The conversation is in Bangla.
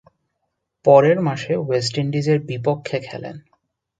পরের মাসে ওয়েস্ট ইন্ডিজের বিপক্ষে খেলেন।